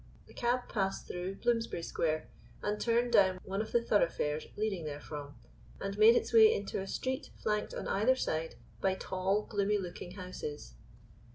The cab passed through Bloomsbury Square, and turned down one of the thoroughfares leading therefrom, and made its way into a street flanked on either side by tall, gloomy looking houses.